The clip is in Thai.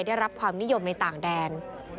ได้รับความนิยมในต่างแดน